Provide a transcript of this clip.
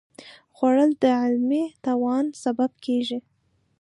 خوړل د علمي توان سبب کېږي